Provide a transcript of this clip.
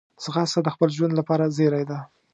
ځغاسته د خپل ژوند لپاره زېری ده